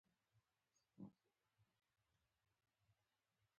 شتمن خلک د برکت طلب کوونکي وي، نه د فخر.